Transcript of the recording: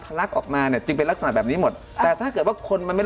ลักออกมาเนี่ยจึงเป็นลักษณะแบบนี้หมดแต่ถ้าเกิดว่าคนมันไม่